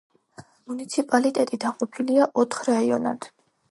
მუნიციპალიტეტი დაყოფილია ოთხ რაიონად.